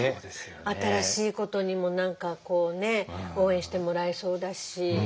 新しいことにも何かこうねえ応援してもらえそうだし。